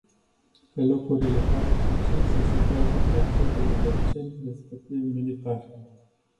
Pe locurile patru și cinci se situează cartierele Berceni, respectiv Militari.